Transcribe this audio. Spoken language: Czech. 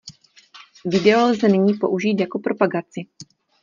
Video lze nyní použít jako propagaci.